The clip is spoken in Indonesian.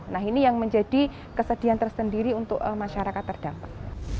nah ini yang menjadi kesedihan tersendiri untuk masyarakat terdampak